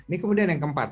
ini kemudian yang keempat